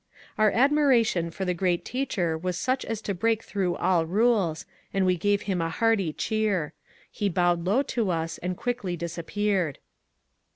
Our admiration for the great teacher was such as to break through all rules, and we gave him a hearty cheer. He bowed low to us and quickly disappeared.